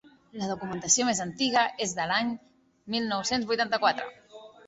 La documentació més antiga és de l'any mil nou-cents vuitanta-quatre.